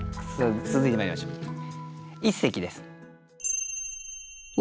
続いてまいりましょう一席です。